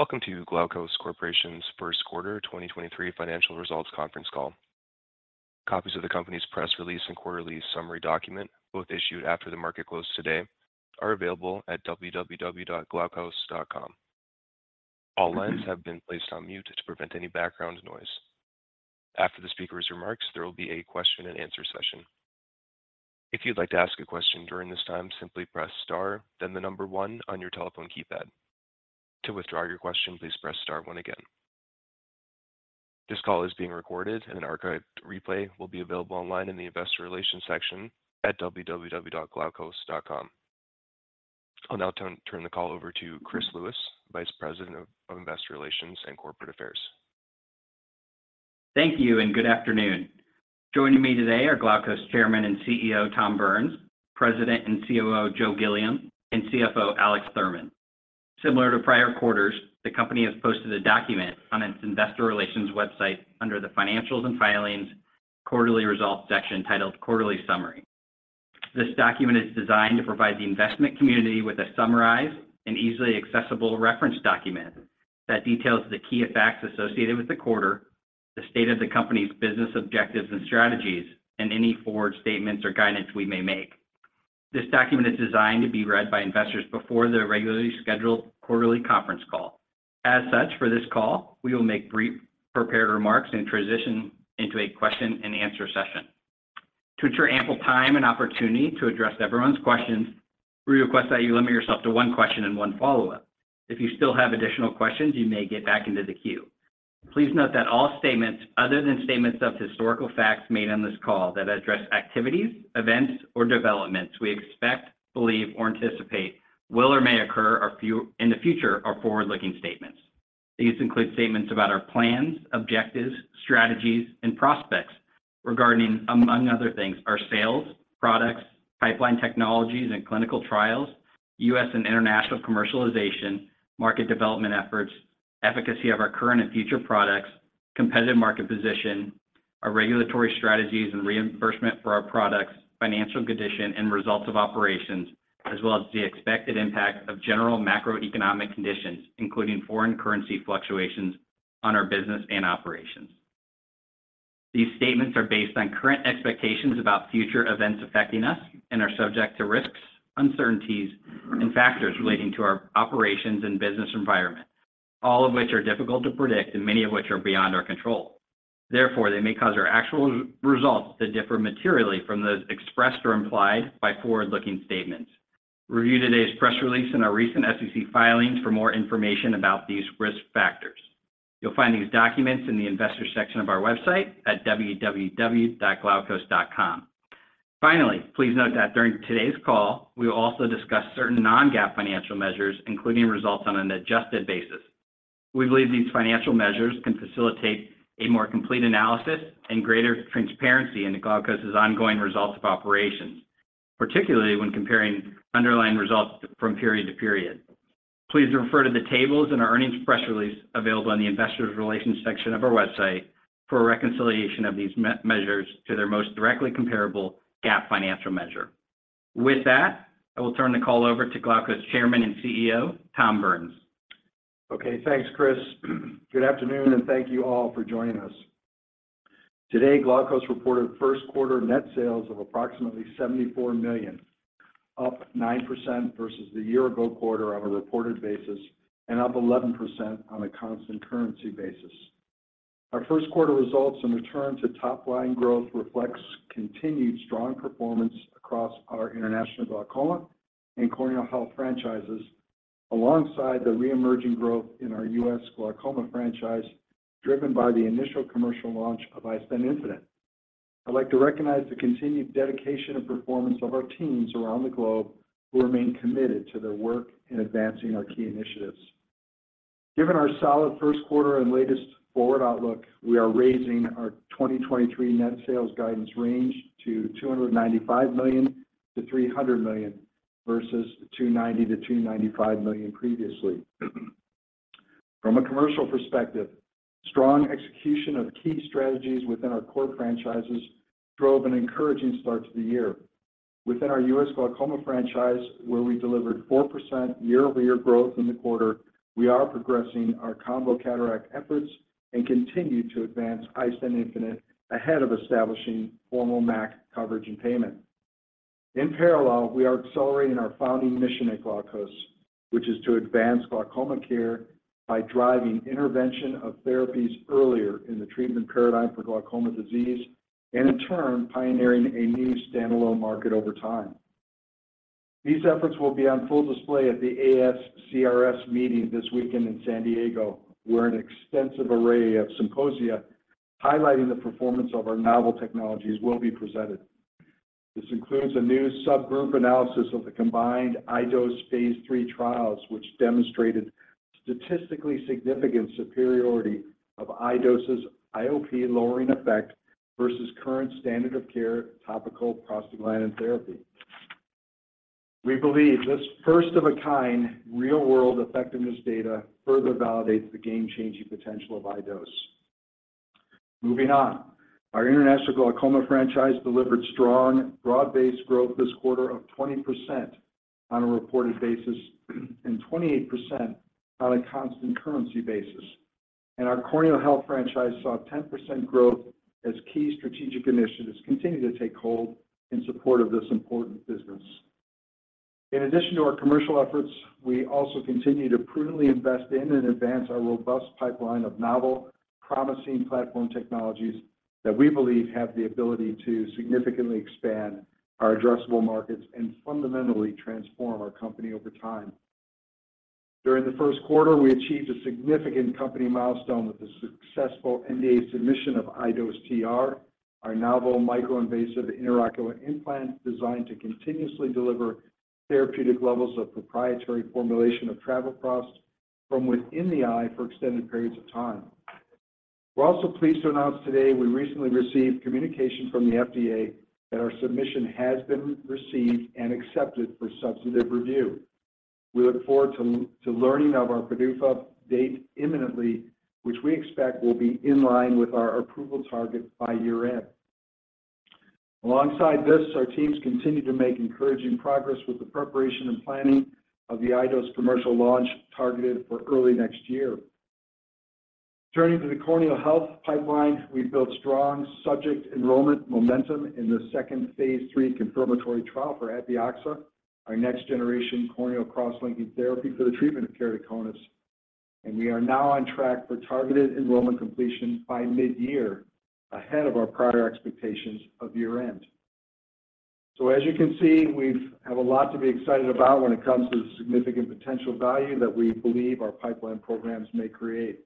Welcome to Glaukos Corporation's first quarter 2023 financial results conference call. Copies of the company's press release and quarterly summary document, both issued after the market close today, are available at www.glaukos.com. All lines have been placed on mute to prevent any background noise. After the speaker's remarks, there will be a question-and-answer session. If you'd like to ask a question during this time, simply press star then the number one on your telephone keypad. To withdraw your question, please press star one again. This call is being recorded and an archived replay will be available online in the Investor Relations section at www.glaukos.com. I'll now turn the call over to Chris Lewis, Vice President of Investor Relations and Corporate Affairs. Thank you and good afternoon. Joining me today are Glaukos Chairman and CEO, Tom Burns, President and COO, Joe Gilliam, and CFO, Alex Thurman. Similar to prior quarters, the company has posted a document on its investor relations website under the Financials and Filings Quarterly Results section titled Quarterly Summary. This document is designed to provide the investment community with a summarized and easily accessible reference document that details the key effects associated with the quarter, the state of the company's business objectives and strategies, and any forward statements or guidance we may make. This document is designed to be read by investors before their regularly scheduled quarterly conference call. As such, for this call, we will make brief prepared remarks and transition into a question-and-answer session. To ensure ample time and opportunity to address everyone's questions, we request that you limit yourself to one question and one follow-up. If you still have additional questions, you may get back into the queue. Please note that all statements other than statements of historical facts made on this call that address activities, events or developments we expect, believe, or anticipate will or may occur in the future are forward-looking statements. These include statements about our plans, objectives, strategies, and prospects regarding, among other things, our sales, products, pipeline technologies and clinical trials, U.S. and international commercialization, market development efforts, efficacy of our current and future products, competitive market position, our regulatory strategies and reimbursement for our products, financial condition and results of operations, as well as the expected impact of general macroeconomic conditions, including foreign currency fluctuations on our business and operations. These statements are based on current expectations about future events affecting us and are subject to risks, uncertainties, and factors relating to our operations and business environment, all of which are difficult to predict and many of which are beyond our control. They may cause our actual results to differ materially from those expressed or implied by forward-looking statements. Review today's press release in our recent SEC filings for more information about these risk factors. You'll find these documents in the investor section of our website at www.glaukos.com. Please note that during today's call, we will also discuss certain non-GAAP financial measures, including results on an adjusted basis. We believe these financial measures can facilitate a more complete analysis and greater transparency into Glaukos' ongoing results of operations, particularly when comparing underlying results from period to period. Please refer to the tables in our earnings press release available on the Investor Relations section of our website for a reconciliation of these measures to their most directly comparable GAAP financial measure. With that, I will turn the call over to Glaukos Chairman and CEO, Tom Burns. Okay, thanks, Chris. Good afternoon. Thank you all for joining us. Today, Glaukos reported first quarter net sales of approximately $74 million, up 9% versus the year ago quarter on a reported basis and up 11% on a constant currency basis. Our first quarter results and return to top line growth reflects continued strong performance across our international glaucoma and corneal health franchises, alongside the reemerging growth in our U.S. glaucoma franchise, driven by the initial commercial launch of iStent infinite. I'd like to recognize the continued dedication and performance of our teams around the globe who remain committed to their work in advancing our key initiatives. Given our solid first quarter and latest forward outlook, we are raising our 2023 net sales guidance range to $295 million-$300 million versus $290 million-$295 million previously. From a commercial perspective, strong execution of key strategies within our core franchises drove an encouraging start to the year. Within our U.S. glaucoma franchise, where we delivered 4% year-over-year growth in the quarter, we are progressing our combo cataract efforts and continue to advance iStent infinite ahead of establishing formal MAC coverage and payment. We are accelerating our founding mission at Glaukos, which is to advance glaucoma care by driving intervention of therapies earlier in the treatment paradigm for glaucoma disease, and in turn, pioneering a new standalone market over time. These efforts will be on full display at the ASCRS meeting this weekend in San Diego, where an extensive array of symposia highlighting the performance of our novel technologies will be presented. This includes a new subgroup analysis of the combined iDose phase III trials, which demonstrated statistically significant superiority of iDose's IOP lowering effect versus current standard of care topical prostaglandin therapy. We believe this first of a kind real-world effectiveness data further validates the game-changing potential of iDose. Moving on. Our international glaucoma franchise delivered strong broad-based growth this quarter of 20% on a reported basis and 28% on a constant currency basis. Our corneal health franchise saw 10% growth as key strategic initiatives continue to take hold in support of this important business. In addition to our commercial efforts, we also continue to prudently invest in and advance our robust pipeline of novel promising platform technologies that we believe have the ability to significantly expand our addressable markets and fundamentally transform our company over time. During the first quarter, we achieved a significant company milestone with the successful NDA submission of iDose TR, our novel micro-invasive intraocular implant designed to continuously deliver therapeutic levels of proprietary formulation of travoprost from within the eye for extended periods of time. We're also pleased to announce today we recently received communication from the FDA that our submission has been received and accepted for substantive review. We look forward to learning of our PDUFA date imminently, which we expect will be in line with our approval target by year-end. Alongside this, our teams continue to make encouraging progress with the preparation and planning of the iDose commercial launch targeted for early next year. Turning to the corneal health pipeline, we've built strong subject enrollment momentum in the second phase III confirmatory trial for Epioxa, our next-generation corneal cross-linking therapy for the treatment of keratoconus. We are now on track for targeted enrollment completion by mid-year, ahead of our prior expectations of year-end. As you can see, we've have a lot to be excited about when it comes to the significant potential value that we believe our pipeline programs may create.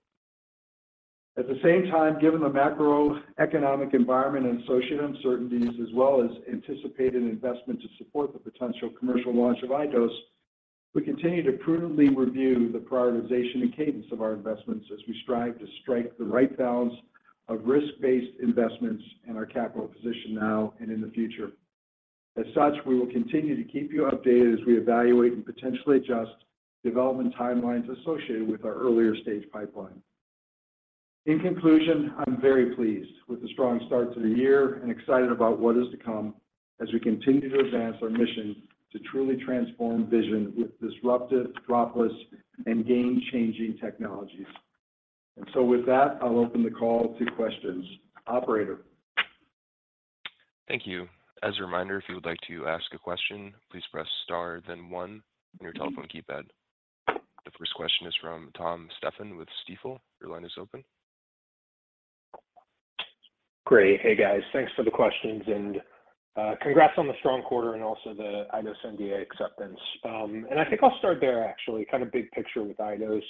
At the same time, given the macroeconomic environment and associated uncertainties, as well as anticipated investment to support the potential commercial launch of iDose, we continue to prudently review the prioritization and cadence of our investments as we strive to strike the right balance of risk-based investments in our capital position now and in the future. As such, we will continue to keep you updated as we evaluate and potentially adjust development timelines associated with our earlier stage pipeline. In conclusion, I'm very pleased with the strong start to the year and excited about what is to come as we continue to advance our mission to truly transform vision with disruptive, dropless, and game-changing technologies. With that, I'll open the call to questions. Operator. Thank you. As a reminder, if you would like to ask a question, please press star then one on your telephone keypad. The first question is from Tom Stephan with Stifel. Your line is open. Great. Hey, guys. Thanks for the questions and congrats on the strong quarter and also the iDose NDA acceptance. I think I'll start there actually, kind of big picture with iDose.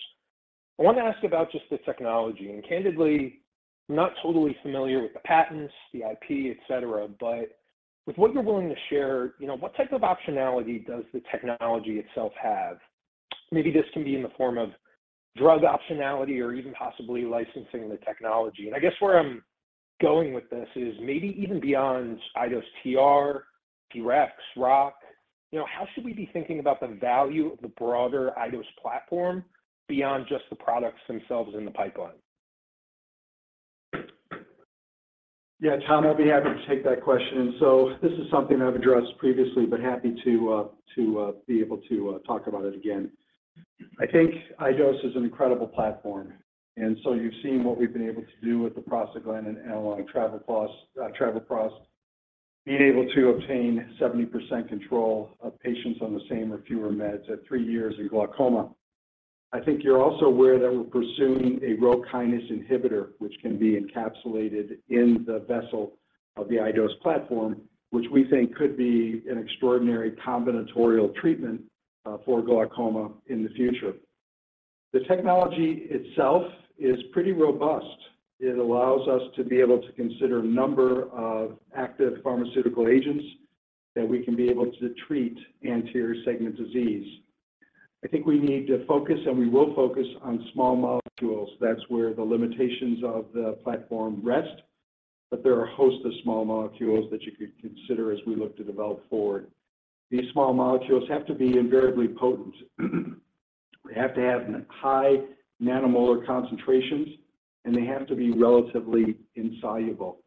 I want to ask about just the technology, and candidly, I'm not totally familiar with the patents, the IP, et cetera. But with what you're willing to share, you know, what type of optionality does the technology itself have? Maybe this can be in the form of drug optionality or even possibly licensing the technology. I guess where I'm going with this is maybe even beyond iDose TR, TREX, ROCK, you know, how should we be thinking about the value of the broader iDose platform beyond just the products themselves in the pipeline? Yeah, Tom, I'd be happy to take that question. This is something I've addressed previously, but happy to be able to talk about it again. I think iDose is an incredible platform. You've seen what we've been able to do with the prostaglandin analog travoprost, being able to obtain 70% control of patients on the same or fewer meds at three years in glaucoma. I think you're also aware that we're pursuing a rho kinase inhibitor, which can be encapsulated in the vessel of the iDose platform, which we think could be an extraordinary combinatorial treatment for glaucoma in the future. The technology itself is pretty robust. It allows us to be able to consider a number of active pharmaceutical agents that we can be able to treat anterior segment disease. I think we need to focus, and we will focus on small molecules. That's where the limitations of the platform rest. There are a host of small molecules that you could consider as we look to develop forward. These small molecules have to be invariably potent. They have to have high nanomolar concentrations, and they have to be relatively insoluble.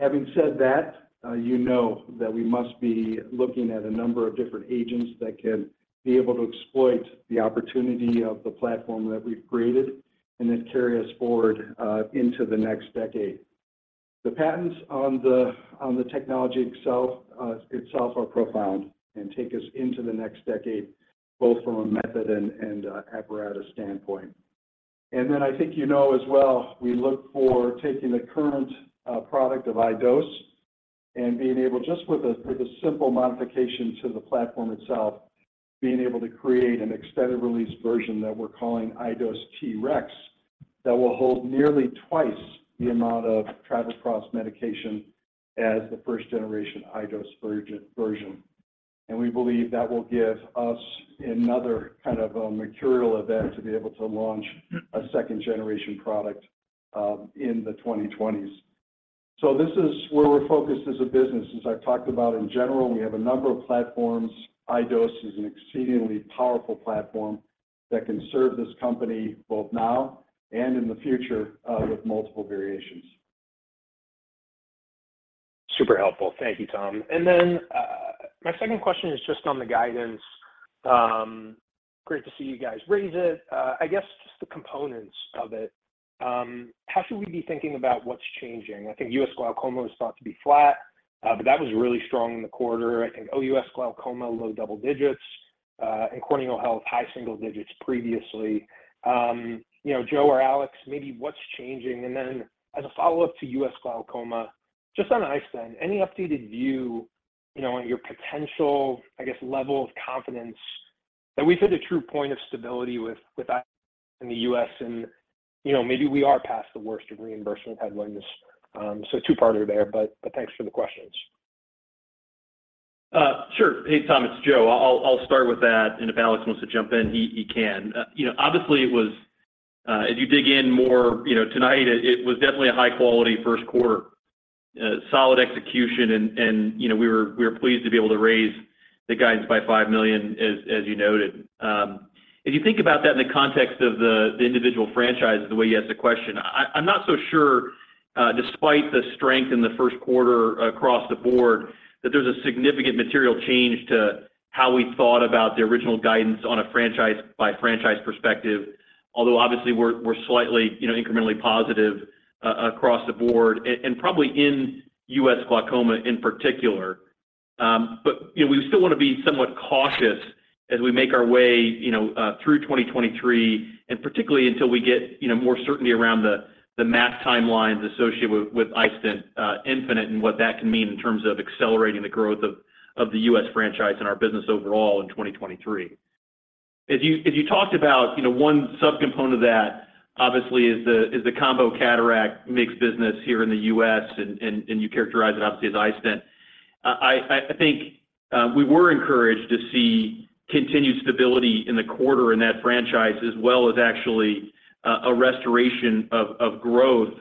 Having said that, you know that we must be looking at a number of different agents that can be able to exploit the opportunity of the platform that we've created and then carry us forward into the next decade. The patents on the technology itself are profound and take us into the next decade, both from a method and apparatus standpoint. I think you know as well, we look for taking the current product of iDose and being able just with a, with a simple modification to the platform itself, being able to create an extended-release version that we're calling iDose TREX that will hold nearly 2x the amount of travoprost medication as the first-generation iDose version. We believe that will give us another kind of a material event to be able to launch a second-generation product in the 2020s. This is where we're focused as a business. As I've talked about in general, we have a number of platforms. iDose is an exceedingly powerful platform that can serve this company both now and in the future, with multiple variations. Super helpful. Thank you, Tom. My second question is just on the guidance. Great to see you guys raise it. I guess just the components of it. How should we be thinking about what's changing? I think U.S. glaucoma is thought to be flat, but that was really strong in the quarter. I think OUS glaucoma, low double digits, and corneal health, high single digits previously. You know, Joe or Alex, maybe what's changing? As a follow-up to U.S. glaucoma, just on iStent, any updated view, you know, on your potential, I guess, level of confidence that we've hit a true point of stability with i- in the U.S. and, you know, maybe we are past the worst of reimbursement headwinds. Two-parter there, but thanks for the questions. Sure. Hey, Tom, it's Joe. I'll start with that, and if Alex wants to jump in, he can. you know, obviously, it was, as you dig in more, you know, tonight, it was definitely a high-quality first quarter. Solid execution and, you know, we were pleased to be able to raise the guidance by $5 million as you noted. If you think about that in the context of the individual franchises, the way you asked the question, I'm not so sure, despite the strength in the first quarter across the board that there's a significant material change to how we thought about the original guidance on a franchise by franchise perspective. Obviously we're slightly, you know, incrementally positive across the board and probably in U.S. glaucoma in particular. You know, we still wanna be somewhat cautious as we make our way, you know, through 2023, and particularly until we get, you know, more certainty around the math timelines associated with iStent infinite and what that can mean in terms of accelerating the growth of the U.S. franchise and our business overall in 2023. You talked about, you know, one subcomponent of that obviously is the combo cataract mixed business here in the U.S. and you characterize it obviously as iStent. I think, we were encouraged to see continued stability in the quarter in that franchise as well as actually a restoration of growth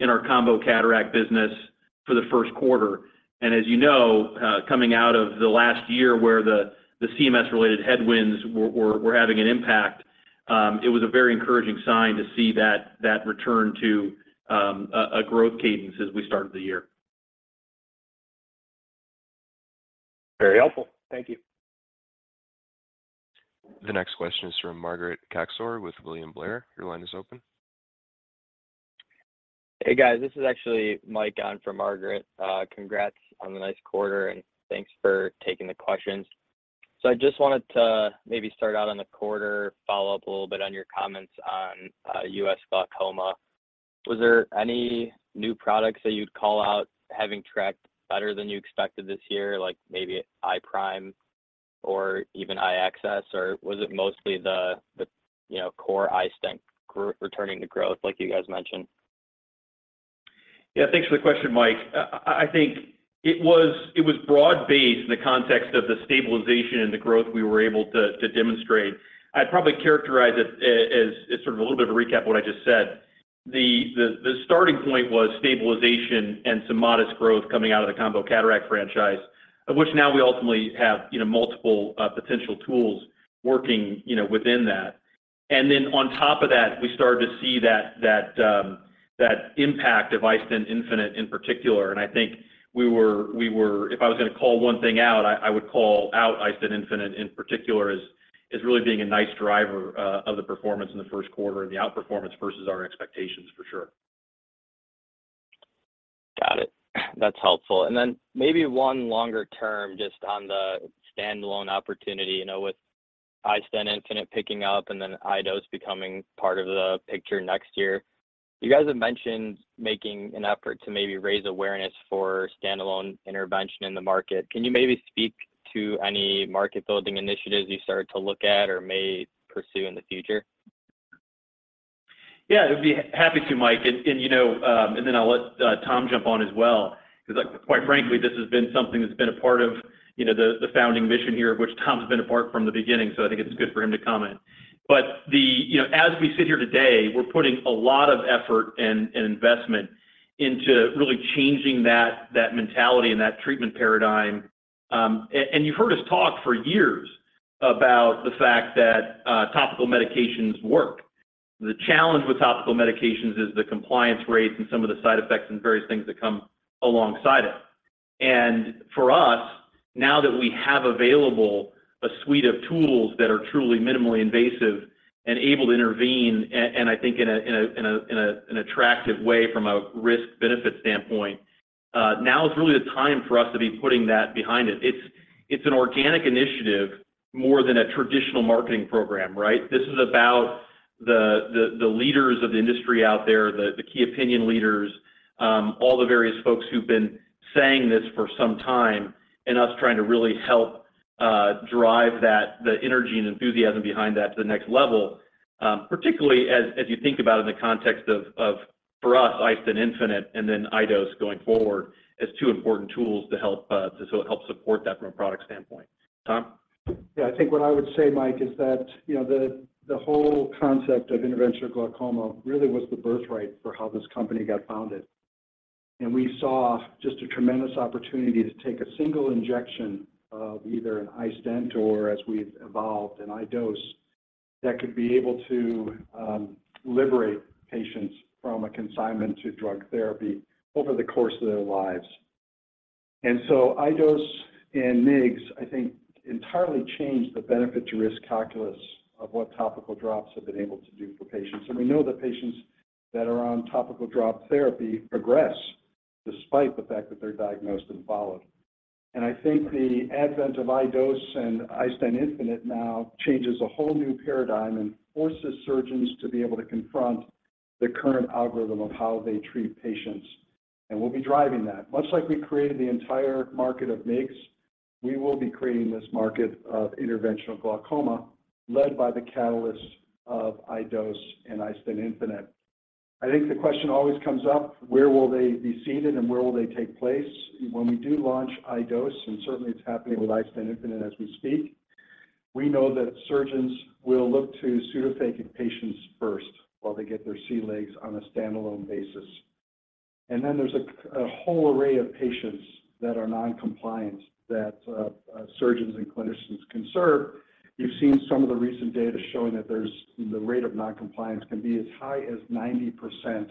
in our combo cataract business for the first quarter. As you know, coming out of the last year where the CMS related headwinds were having an impact, it was a very encouraging sign to see that return to a growth cadence as we started the year. Very helpful. Thank you. The next question is from Margaret Kaczor with William Blair. Your line is open. Hey, guys. This is actually Mike on for Margaret. Congrats on the nice quarter, and thanks for taking the questions. I just wanted to maybe start out on the quarter, follow up a little bit on your comments on U.S. glaucoma. Was there any new products that you'd call out having tracked better than you expected this year, like maybe iPRIME or even iAccess? Was it mostly the, you know, core iStent returning to growth like you guys mentioned? Yeah. Thanks for the question, Mike. I think it was broad-based in the context of the stabilization and the growth we were able to demonstrate. I'd probably characterize it as sort of a little bit of a recap of what I just said. The starting point was stabilization and some modest growth coming out of the combo cataract franchise, of which now we ultimately have, you know, multiple potential tools working, you know, within that. On top of that, we started to see that impact of iStent infinite in particular. I think we were if I was gonna call one thing out, I would call out iStent infinite in particular as really being a nice driver of the performance in the first quarter and the outperformance versus our expectations for sure. Got it. That's helpful. Maybe one longer term just on the standalone opportunity. You know, with iStent infinite picking up and then iDose becoming part of the picture next year. You guys have mentioned making an effort to maybe raise awareness for standalone intervention in the market. Can you maybe speak to any market building initiatives you started to look at or may pursue in the future? Yeah. I'd be happy to, Mike. You know, I'll let Tom jump on as well because, quite frankly, this has been something that's been a part of, you know, the founding mission here, of which Tom's been a part from the beginning, so I think it's good for him to comment. You know, as we sit here today, we're putting a lot of effort and investment into really changing that mentality and that treatment paradigm. You've heard us talk for years about the fact that topical medications work. The challenge with topical medications is the compliance rates and some of the side effects and various things that come alongside it. For us, now that we have available a suite of tools that are truly minimally invasive and able to intervene and I think in an attractive way from a risk-benefit standpoint, now is really the time for us to be putting that behind it. It's an organic initiative more than a traditional marketing program, right? This is about the leaders of the industry out there, the key opinion leaders, all the various folks who've been saying this for some time, and us trying to really help drive that, the energy and enthusiasm behind that to the next level, particularly as you think about in the context of for us, iStent infinite and then iDose going forward as two important tools to help support that from a product standpoint. Tom? Yeah, I think what I would say, Mike, is that, you know, the whole concept of interventional glaucoma really was the birthright for how this company got founded. We saw just a tremendous opportunity to take a single injection of either an iStent or, as we've evolved, an iDose that could be able to liberate patients from a consignment to drug therapy over the course of their lives. iDose and MIGS, I think, entirely changed the benefit-to-risk calculus of what topical drops have been able to do for patients. We know that patients that are on topical drop therapy progress despite the fact that they're diagnosed and followed. I think the advent of iDose and iStent infinite now changes a whole new paradigm and forces surgeons to be able to confront the current algorithm of how they treat patients, and we'll be driving that. Much like we created the entire market of MIGS, we will be creating this market of interventional glaucoma led by the catalyst of iDose and iStent infinite. I think the question always comes up, where will they be seated and where will they take place? When we do launch iDose, and certainly it's happening with iStent infinite as we speak, we know that surgeons will look to pseudophakic patients first while they get their sea legs on a standalone basis. There's a whole array of patients that are non-compliant that surgeons and clinicians can serve. You've seen some of the recent data showing that there's- The rate of non-compliance can be as high as 90%,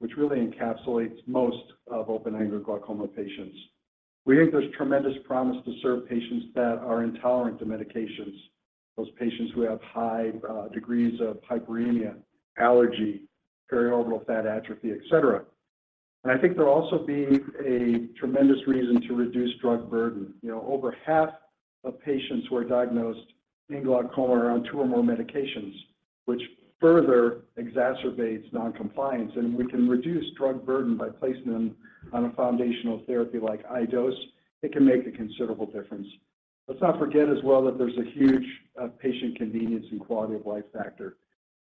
which really encapsulates most of open-angle glaucoma patients. We think there's tremendous promise to serve patients that are intolerant to medications, those patients who have high degrees of hyperemia, allergy, periorbital fat atrophy, et cetera. I think there'll also be a tremendous reason to reduce drug burden. You know, over half of patients who are diagnosed in glaucoma are on two or more medications, which further exacerbates non-compliance. We can reduce drug burden by placing them on a foundational therapy like iDose. It can make a considerable difference. Let's not forget as well that there's a huge patient convenience and quality-of-life factor.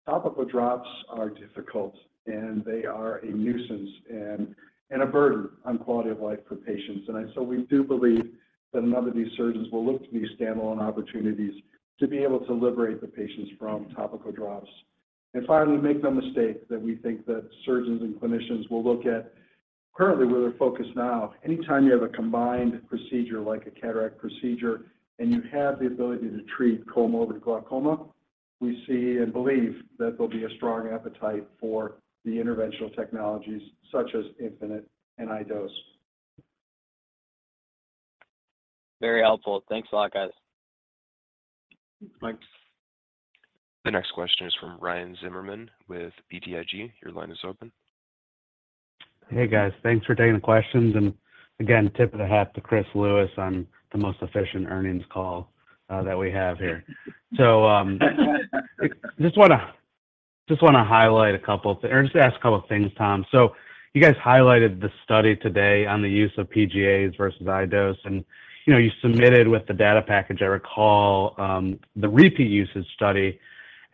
Topical drops are difficult, and they are a nuisance and a burden on quality of life for patients. We do believe that a number of these surgeons will look to these standalone opportunities to be able to liberate the patients from topical drops. Finally, make no mistake that we think that surgeons and clinicians will look at. Currently, where they're focused now, anytime you have a combined procedure like a cataract procedure, and you have the ability to treat co-morbid glaucoma, we see and believe that there'll be a strong appetite for the interventional technologies such as Infinite and iDose. Very helpful. Thanks a lot, guys. Thanks. The next question is from Ryan Zimmerman with BTIG. Your line is open. Hey, guys. Thanks for taking the questions. Again, tip of the hat to Chris Lewis on the most efficient earnings call that we have here. Just wanna highlight a couple or just ask a couple of things, Tom. You guys highlighted the study today on the use of PGAs versus iDose, and, you know, you submitted with the data package, I recall, the repeat usage study.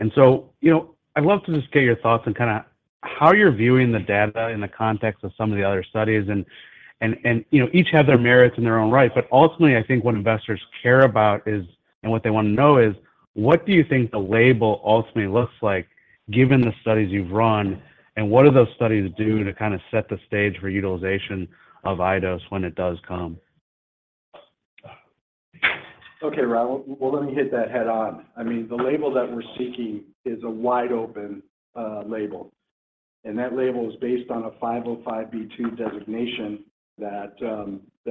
You know, I'd love to just get your thoughts on kinda how you're viewing the data in the context of some of the other studies. You know, each have their merits in their own right, but ultimately I think what investors care about is, and what they wanna know is, what do you think the label ultimately looks like given the studies you've run, and what do those studies do to kinda set the stage for utilization of iDose when it does come? Ryan. Well, let me hit that head-on. I mean, the label that we're seeking is a wide-open label, and that label is based on a 505(b)(2) designation that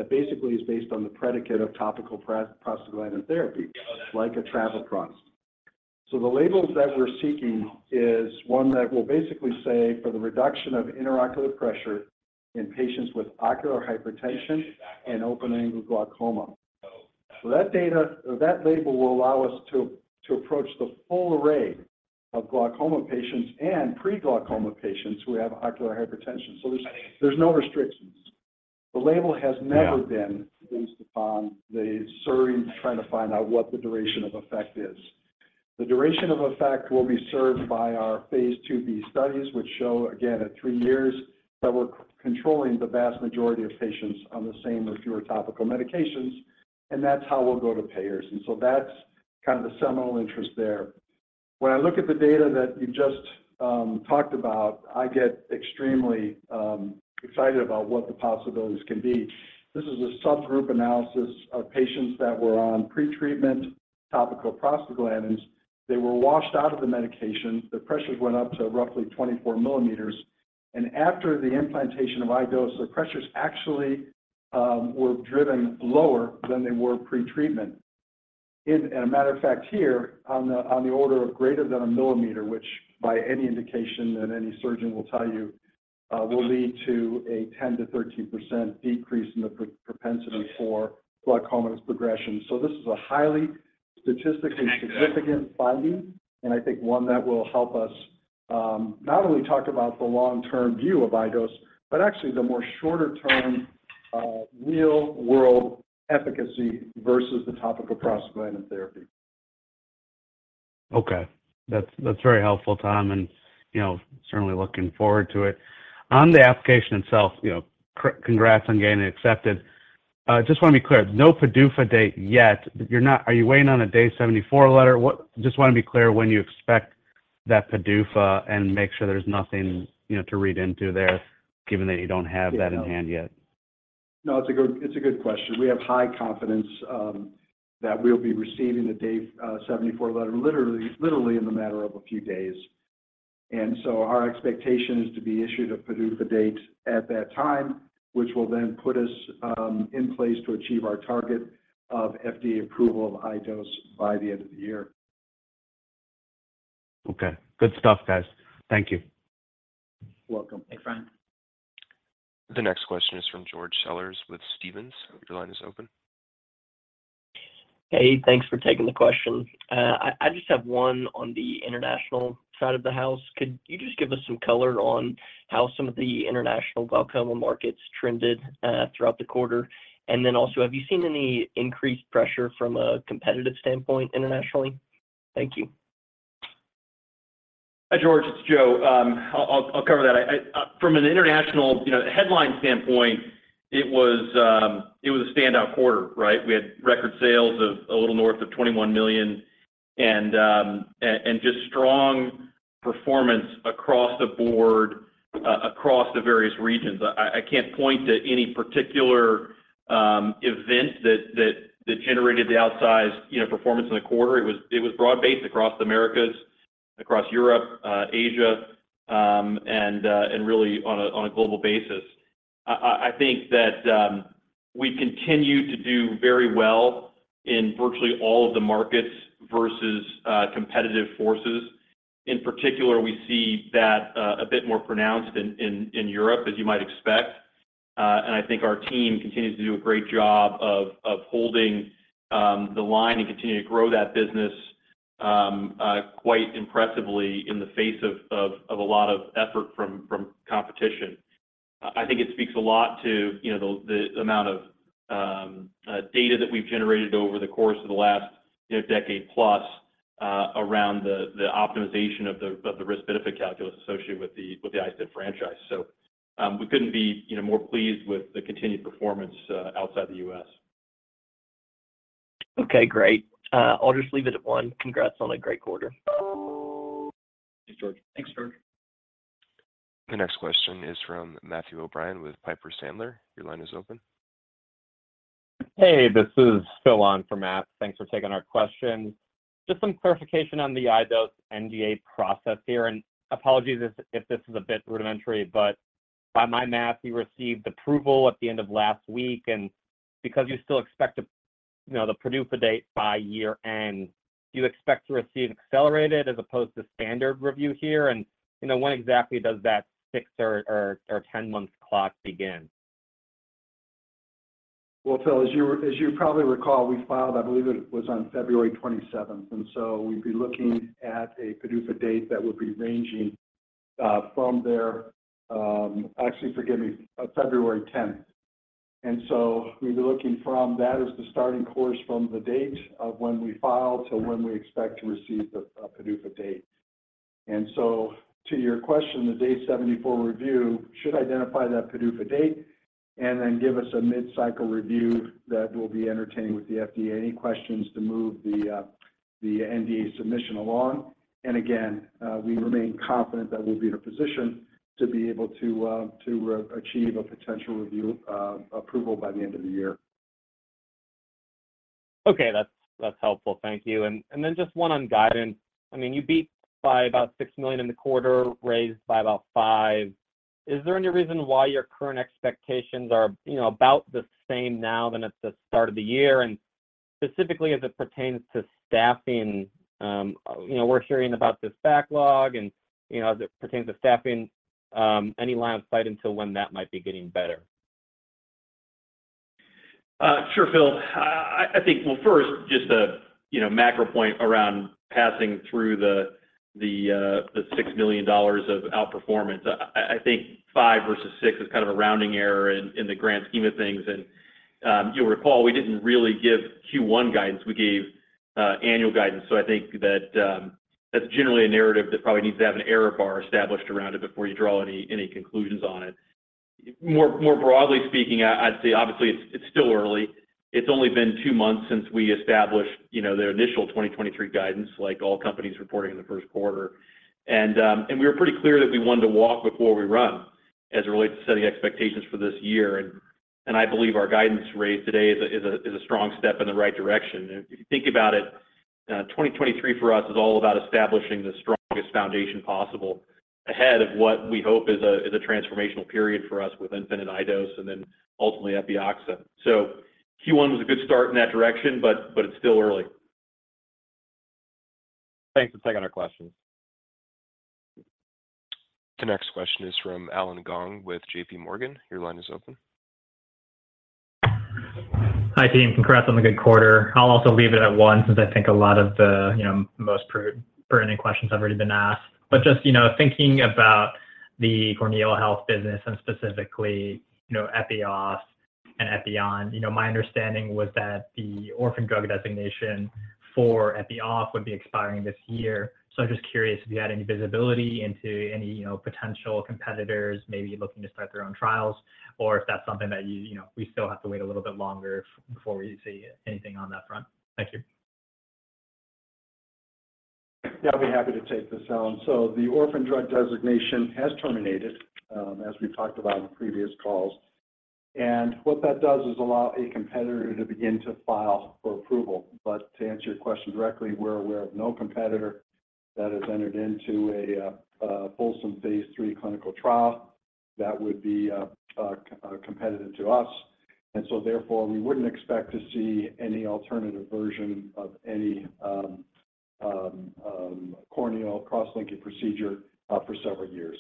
basically is based on the predicate of topical prostaglandin therapy, like a travoprost. The labels that we're seeking is one that will basically say for the reduction of intraocular pressure in patients with ocular hypertension and open-angle glaucoma. That data, that label will allow us to approach the full array of glaucoma patients and pre-glaucoma patients who have ocular hypertension. There's no restrictions. The label has never been based upon the surgery trying to find out what the duration of effect is. The duration of effect will be served by our phase II-B studies, which show again at three years that we're controlling the vast majority of patients on the same or fewer topical medications, and that's how we'll go to payers. That's kind of the seminal interest there. When I look at the data that you just talked about, I get extremely excited about what the possibilities can be. This is a subgroup analysis of patients that were on pre-treatment topical prostaglandins. They were washed out of the medication. Their pressures went up to roughly 24 millimeters. After the implantation of iDose, their pressures actually were driven lower than they were pre-treatment. And a matter of fact, here, on the order of greater than 1 mm, which by any indication that any surgeon will tell you, will lead to a 10%-13% decrease in the propensity for glaucoma's progression. This is a highly statistically significant finding, and I think one that will help us, not only talk about the long-term view of iDose, but actually the more shorter-term, real-world efficacy versus the topical prostaglandin therapy. Okay. That's very helpful, Tom, and, you know, certainly looking forward to it. On the application itself, you know, congrats on getting accepted. Just want to be clear, no PDUFA date yet. Are you waiting on a day 74 letter? Just want to be clear when you expect that PDUFA and make sure there's nothing, you know, to read into there given that you don't have that in hand yet. No, it's a good question. We have high confidence that we'll be receiving the day 74 letter literally in the matter of a few days. Our expectation is to be issued a PDUFA date at that time, which will then put us in place to achieve our target of FDA approval of iDose by the end of the year. Okay. Good stuff, guys. Thank you. Welcome. Thanks, Ryan. The next question is from George Sellers with Stephens. Your line is open. Hey, thanks for taking the question. I just have one on the international side of the house. Could you just give us some color on how some of the international glaucoma markets trended throughout the quarter? Also, have you seen any increased pressure from a competitive standpoint internationally? Thank you. Hi, George. It's Joe. I'll cover that. From an international, you know, headline standpoint, it was a standout quarter, right? We had record sales of a little north of $21 million and just strong performance across the board across the various regions. I can't point to any particular event that generated the outsized, you know, performance in the quarter. It was broad-based across the Americas, across Europe, Asia, and really on a global basis. I think that we continue to do very well in virtually all of the markets versus competitive forces. In particular, we see that a bit more pronounced in Europe, as you might expect. I think our team continues to do a great job of holding the line and continue to grow that business quite impressively in the face of a lot of effort from competition. I think it speaks a lot to, you know, the amount of data that we've generated over the course of the last, you know, decade plus, around the optimization of the risk-benefit calculus associated with the iStent franchise. We couldn't be, you know, more pleased with the continued performance outside the U.S. Okay, great. I'll just leave it at one. Congrats on a great quarter. Thanks, George. Thanks, George. The next question is from Matthew O'Brien with Piper Sandler. Your line is open. Hey, this is Phil on for Matt. Thanks for taking our questions. Just some clarification on the iDose NDA process here, apologies if this is a bit rudimentary, but by my math, you received approval at the end of last week. Because you still expect, you know, the PDUFA date by year end, do you expect to receive accelerated as opposed to standard review here? You know, when exactly does that 6 or 10-month clock begin? Well, Phil, as you probably recall, we filed, I believe it was on February 27th. So we'd be looking at a PDUFA date that would be ranging. Actually, forgive me, on February 10th. So we'd be looking from that as the starting course from the date of when we filed to when we expect to receive the PDUFA date. So to your question, the day 74 review should identify that PDUFA date and then give us a mid-cycle review that we'll be entertaining with the FDA any questions to move the NDA submission along. Again, we remain confident that we'll be in a position to be able to achieve a potential review approval by the end of the year. Okay. That's helpful. Thank you. Then just one on guidance. I mean, you beat by about $6 million in the quarter, raised by about $5 million. Is there any reason why your current expectations are, you know, about the same now than at the start of the year? Specifically as it pertains to staffing, you know, we're hearing about this backlog and, you know, as it pertains to staffing, any line of sight until when that might be getting better? Sure, Phil. I think, well, first, just a, you know, macro point around passing through the $6 million of outperformance. I think five versus six is kind of a rounding error in the grand scheme of things. You'll recall, we didn't really give Q1 guidance. We gave annual guidance. I think that's generally a narrative that probably needs to have an error bar established around it before you draw any conclusions on it. More broadly speaking, I'd say obviously it's still early. It's only been two months since we established, you know, the initial 2023 guidance, like all companies reporting in the first quarter. We were pretty clear that we wanted to walk before we run as it relates to setting expectations for this year. I believe our guidance raise today is a strong step in the right direction. If you think about it, 2023 for us is all about establishing the strongest foundation possible ahead of what we hope is a transformational period for us with Infinite and iDose and then ultimately Epioxa. Q1 was a good start in that direction, but it's still early. Thanks for taking our question. The next question is from Allen Gong with J.P. Morgan. Your line is open. Hi, team. Congrats on the good quarter. I'll also leave it at one since I think a lot of the, you know, most pertinent questions have already been asked. Just, you know, thinking about the Corneal Health business and specifically, you know, Epioxa. Epi-On. You know, my understanding was that the orphan drug designation for Epi-off would be expiring this year. Just curious if you had any visibility into any, you know, potential competitors maybe looking to start their own trials, or if that's something that you know, we still have to wait a little bit longer before we see anything on that front? Thank you. Yeah, I'll be happy to take this, Allen. The orphan drug designation has terminated, as we've talked about in previous calls. What that does is allow a competitor to begin to file for approval. To answer your question directly, we're aware of no competitor that has entered into a fulsome phase III clinical trial that would be competitive to us. Therefore, we wouldn't expect to see any alternative version of any corneal cross-linking procedure for several years.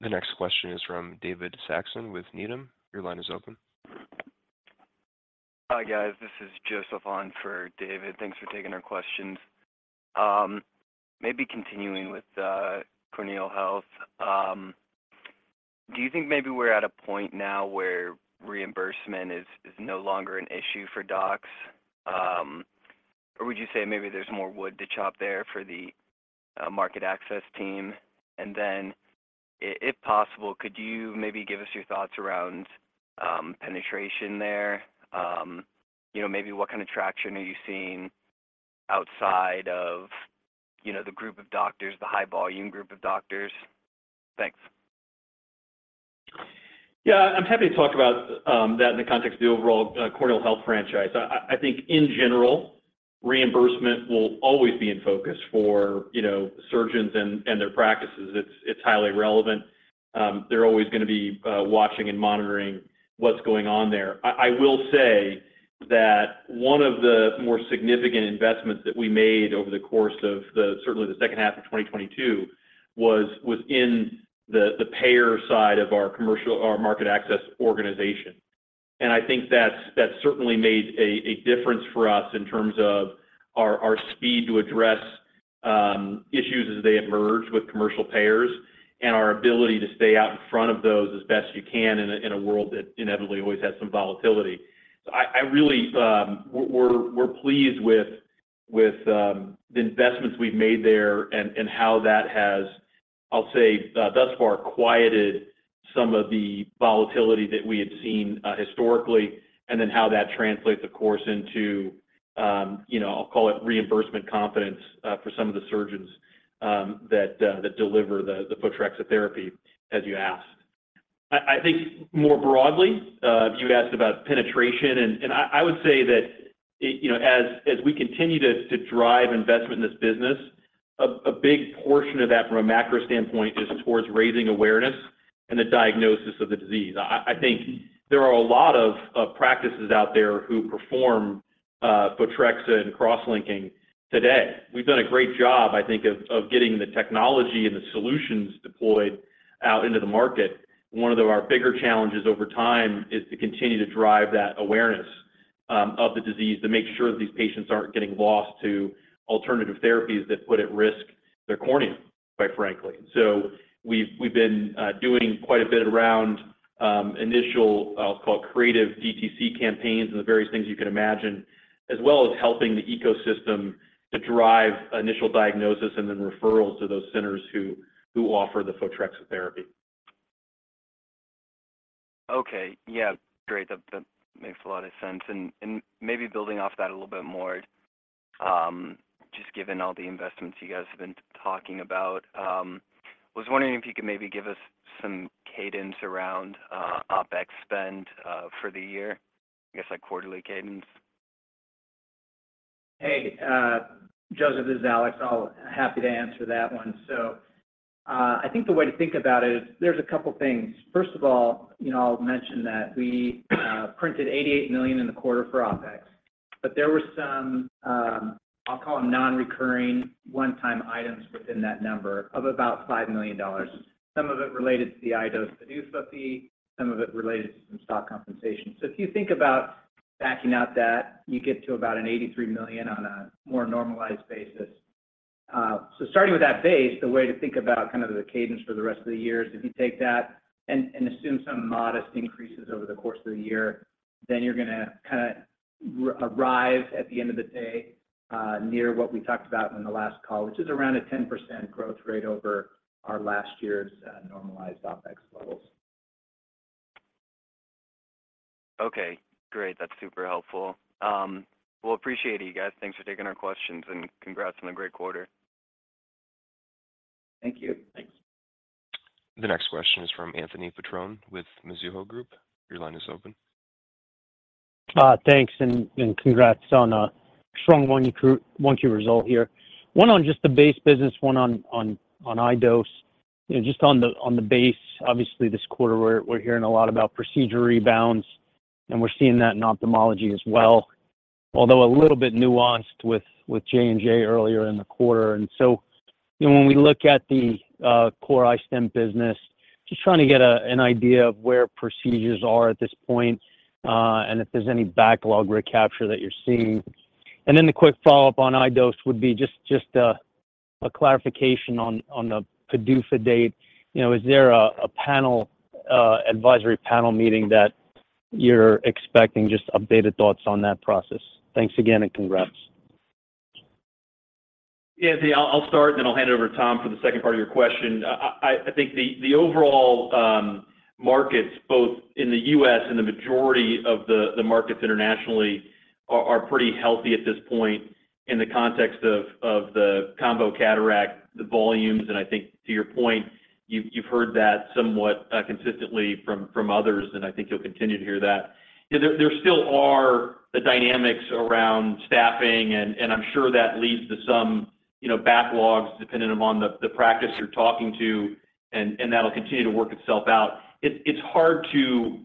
The next question is from David Saxon with Needham. Your line is open. Hi, guys. This is Joseph on for David. Thanks for taking our questions. Maybe continuing with corneal health, do you think maybe we're at a point now where reimbursement is no longer an issue for docs? Or would you say maybe there's more wood to chop there for the market access team? If possible, could you maybe give us your thoughts around penetration there? You know, maybe what kind of traction are you seeing outside of, you know, the group of doctors, the high volume group of doctors? Thanks. Yeah. I'm happy to talk about that in the context of the overall corneal health franchise. I think in general, reimbursement will always be in focus for, you know, surgeons and their practices. It's highly relevant. They're always gonna be watching and monitoring what's going on there. I will say that one of the more significant investments that we made over the course of the, certainly the second half of 2022 was within the payer side of our market access organization. I think that's certainly made a difference for us in terms of our speed to address issues as they emerge with commercial payers and our ability to stay out in front of those as best you can in a world that inevitably always has some volatility. I really, we're pleased with the investments we've made there and how that has, I'll say, thus far quieted some of the volatility that we had seen historically, how that translates of course into, you know, I'll call it reimbursement confidence for some of the surgeons that deliver the Photrexa therapy, as you asked. I think more broadly, you asked about penetration, and I would say that, it, you know, as we continue to drive investment in this business, a big portion of that from a macro standpoint is towards raising awareness and the diagnosis of the disease. I think there are a lot of practices out there who perform Photrexa and cross-linking today. We've done a great job, I think, of getting the technology and the solutions deployed out into the market. One of our bigger challenges over time is to continue to drive that awareness of the disease to make sure that these patients aren't getting lost to alternative therapies that put at risk their cornea, quite frankly. We've been doing quite a bit around initial, I'll call it creative DTC campaigns and the various things you can imagine, as well as helping the ecosystem to drive initial diagnosis and then referrals to those centers who offer the Photrexa therapy. Okay. Yeah. Great. That makes a lot of sense. Maybe building off that a little bit more, just given all the investments you guys have been talking about, was wondering if you could maybe give us some cadence around OpEx spend for the year, I guess, like quarterly cadence. Hey, Joseph, this is Alex. I'll happy to answer that one. I think the way to think about it is there's a couple things. First of all, you know, I'll mention that we printed $88 million in the quarter for OpEx, but there were some I'll call them non-recurring one-time items within that number of about $5 million, some of it related to the iDose travoprost, some of it related to some stock compensation. If you think about backing out that, you get to about an $83 million on a more normalized basis. Starting with that base, the way to think about kind of the cadence for the rest of the year is if you take that and assume some modest increases over the course of the year, then you're gonna kinda arrive at the end of the day, near what we talked about on the last call, which is around a 10% growth rate over our last year's normalized OpEx levels. Okay, great. That's super helpful. Well, appreciate you guys. Thanks for taking our questions, and congrats on a great quarter. Thank you. Thank you. The next question is from Anthony Petrone with Mizuho Group. Your line is open. Thanks and congrats on a strong 1Q result here. One on just the base business, one on, on iDose. You know, just on the, on the base, obviously this quarter we're hearing a lot about procedure rebounds, and we're seeing that in ophthalmology as well, although a little bit nuanced with J&J earlier in the quarter. You know, when we look at the, core iStent business Just trying to get an idea of where procedures are at this point, and if there's any backlog recapture that you're seeing. Then the quick follow-up on iDose would be just a clarification on the PDUFA date. You know, is there a panel advisory panel meeting that you're expecting? Just updated thoughts on that process. Thanks again, and congrats. Yeah, see, I'll start, then I'll hand it over to Tom for the second part of your question. I think the overall markets, both in the U.S. and the majority of the markets internationally are pretty healthy at this point in the context of the combo cataract, the volumes, I think to your point, you've heard that somewhat consistently from others, I think you'll continue to hear that. You know, there still are the dynamics around staffing, I'm sure that leads to some, you know, backlogs depending upon the practice you're talking to and that'll continue to work itself out. It's hard to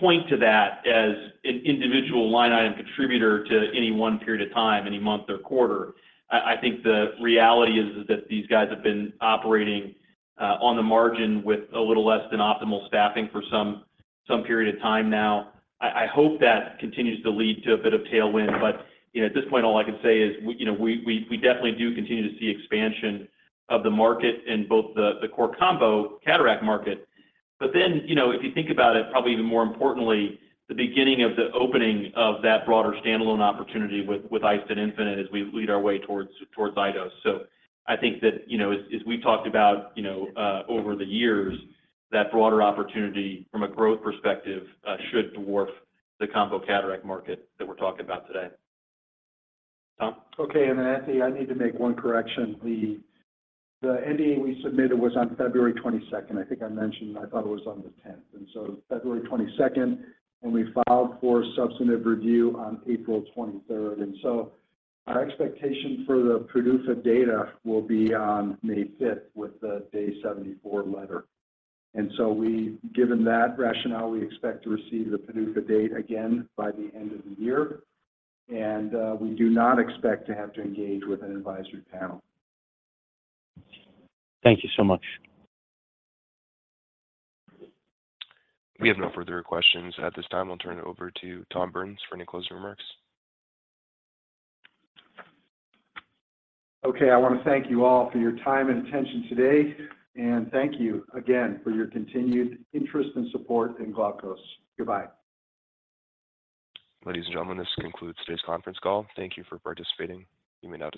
point to that as an individual line item contributor to any one period of time, any month or quarter. I think the reality is that these guys have been operating on the margin with a little less than optimal staffing for some period of time now. I hope that continues to lead to a bit of tailwind, but, you know, at this point, all I can say is we, you know, we definitely do continue to see expansion of the market in both the core combo cataract market. Then, you know, if you think about it, probably even more importantly, the beginning of the opening of that broader standalone opportunity with iStent infinite as we lead our way towards iDose. I think that, you know, as we've talked about, you know, over the years, that broader opportunity from a growth perspective should dwarf the combo cataract market that we're talking about today. Tom? Okay. Anthony, I need to make one correction. The NDA we submitted was on February 22nd. I think I mentioned, I thought it was on the 10th. February 22nd. We filed for substantive review on April 23rd. Our expectation for the PDUFA data will be on May 5th with the day 74 letter. Given that rationale, we expect to receive the PDUFA date again by the end of the year, and we do not expect to have to engage with an advisory panel. Thank you so much. We have no further questions at this time. I'll turn it over to Tom Burns for any closing remarks. Okay. I wanna thank you all for your time and attention today. Thank you again for your continued interest and support in Glaukos. Goodbye. Ladies and gentlemen, this concludes today's conference call. Thank you for participating. You may now disconnect.